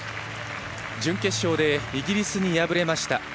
準決勝でイギリスに敗れました。